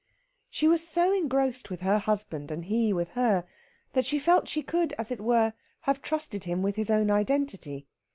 She was so engrossed with her husband, and he with her, that she felt she could, as it were, have trusted him with his own identity.